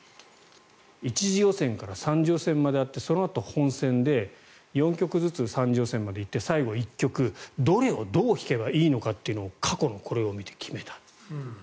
１次予選から３次予選まであってそのあと本選で４曲ずつ３次予選まで行って最後１曲どれをどう弾けばいいのかを過去のこれを見て決めた。